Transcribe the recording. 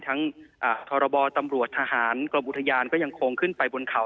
ทรบตำรวจทหารกรมอุทยานก็ยังคงขึ้นไปบนเขา